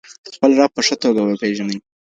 خپل رب په ښه توګه وپيژنئ.